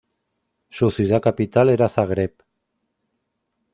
Su ciudad capital era Zagreb.